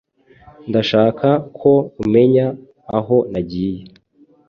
Ndashaka ko umenya aho nagiye.